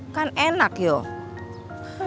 kan enak yuk